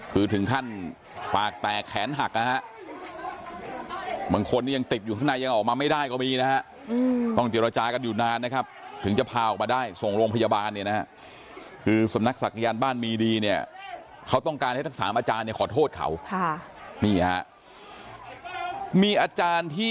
คือถึงท่านปากแตกแขนหักนะฮะ